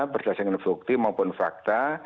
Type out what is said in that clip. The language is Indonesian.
berdasarkan bukti maupun fakta